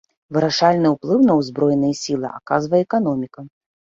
Вырашальны ўплыў на ўзброеныя сілы аказвае эканоміка.